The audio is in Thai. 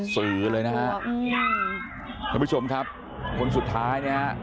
สือเลยนะคะคุณผู้ชมครับคนสุดท้ายเนี่ย